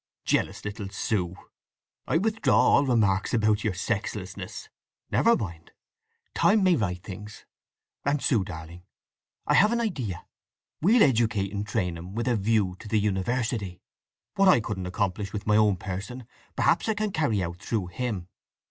"Jealous little Sue! I withdraw all remarks about your sexlessness. Never mind! Time may right things… And Sue, darling; I have an idea! We'll educate and train him with a view to the university. What I couldn't accomplish in my own person perhaps I can carry out through him?